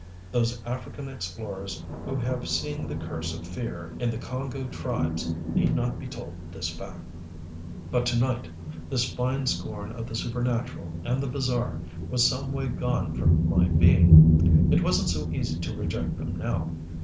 Those African explorers who have seen the curse of fear in the Congo tribes need not be told this fact. But to night this fine scorn of the supernatural and the bizarre was some way gone from my being. It wasn't so easy to reject them now.